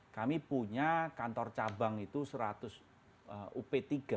kami punya kantor cabang itu seratus up tiga